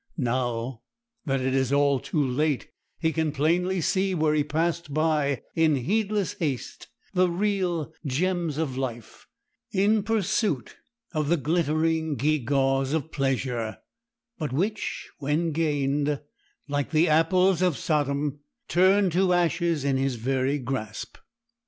Now that it is all too late, he can plainly see where he passed by in heedless haste the real "gems of life" in pursuit of the glittering gewgaws of pleasure, but which, when gained, like the apples of Sodom, turned to ashes in his very grasp.